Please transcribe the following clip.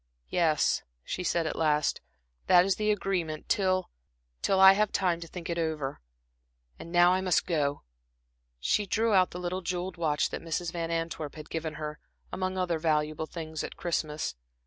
"Yes," she said at last, "that is the agreement, till till I have time to think it over. And now I must go." She drew out the little jeweled watch that Mrs. Van Antwerp had given her, among other valuable things, at Christmas.